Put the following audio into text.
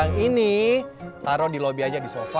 terus mbak yang ini taruh di lobby aja di sofa